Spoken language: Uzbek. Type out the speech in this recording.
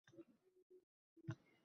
Buning bir qancha sabablari bor